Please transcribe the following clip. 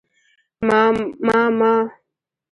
_ما، ما